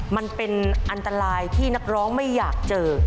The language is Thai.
มันเป็นอันตรายที่นักร้องไม่อยากเจอ